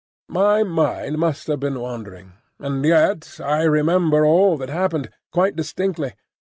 My mind must have been wandering, and yet I remember all that happened, quite distinctly.